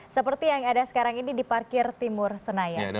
seperti yang ada sekarang ini di parkir timur senayan